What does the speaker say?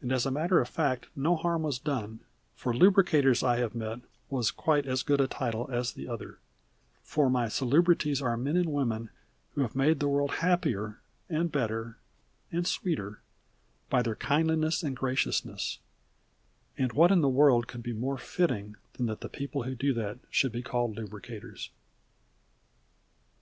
And as a matter of fact no harm was done; for "Lubricators I Have Met" was quite as good a title as the other, for my Salubrities are men and women who have made the world happier, and better, and sweeter, by their kindliness and graciousness, and what in the world could be more fitting than that the people who do that should be called Lubricators?